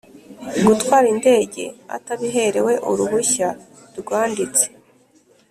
gutwara indege atabiherewe uruhushya rwanditse